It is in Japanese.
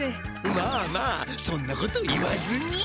まあまあそんなこと言わずに。